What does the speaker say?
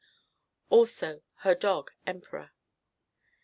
Also, Her dog, Emperor.